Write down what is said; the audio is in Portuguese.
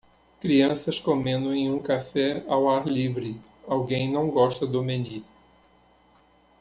Crianças comendo em um café ao ar livre alguém não gosta do menu.